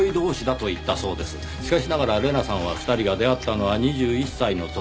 しかしながら玲奈さんは２人が出会ったのは２１歳の時だと。